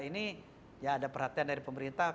ini ya ada perhatian dari pemerintah